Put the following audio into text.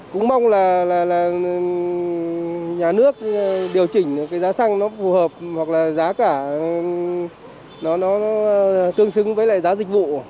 cũng mong là nhà nước điều chỉnh cái giá xăng nó phù hợp hoặc là giá cả nó tương xứng với lại giá dịch vụ